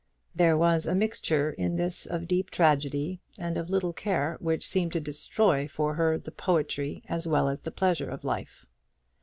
There was a mixture in this of deep tragedy and of little care, which seemed to destroy for her the poetry as well as the pleasure of life.